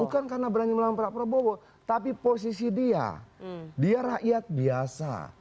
bukan karena berani melawan pak prabowo tapi posisi dia dia rakyat biasa